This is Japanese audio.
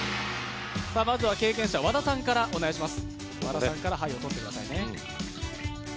経験者、和田さんからお願いします